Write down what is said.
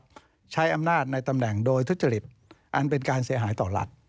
ใช้อำนาจในตำแหน่งโดยทุจริตอันเป็นการเสียหายต่อรัฐ